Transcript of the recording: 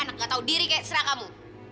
anak gak tau diri kayak serah kamu